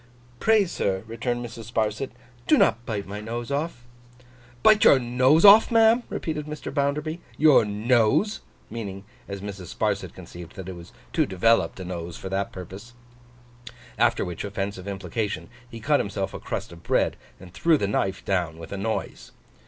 'Pray, sir,' returned Mrs. Sparsit, 'do not bite my nose off.' 'Bite your nose off, ma'am?' repeated Mr. Bounderby. 'Your nose!' meaning, as Mrs. Sparsit conceived, that it was too developed a nose for the purpose. After which offensive implication, he cut himself a crust of bread, and threw the knife down with a noise.